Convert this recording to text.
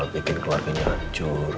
bikin keluarganya hancur